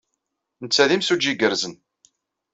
Netta d imsujji igerrzen.